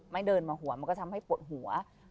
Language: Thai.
เดินมาหัวมันก็ทำให้ปวดหัว